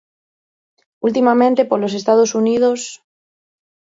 Ultimamente polos Estados Unidos...